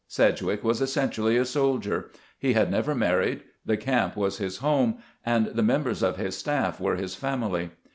Sedgwick was essentially a soldier. He had never married; the camp was his home, and the members of his staff were his family.